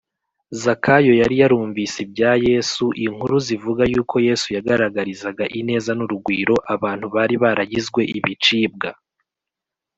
zakayo yari yarumvise ibya yesu inkuru zivuga yuko yesu yagaragarizaga ineza n’urugwiro abantu bari baragizwe ibicibwa